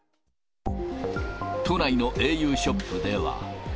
都内のａｕショップでは。